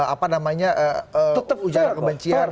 apa namanya tetap ujar kebencian